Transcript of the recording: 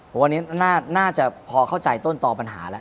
ผมวันนี้น่าจะพอเข้าใจต้นตอปัญหาแล้ว